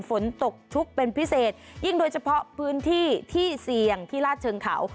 ฝนตกชุกเป็นพิเศษยิ่งโดยเฉพาะพื้นที่ที่เสี่ยงที่ลาดเชิงเขา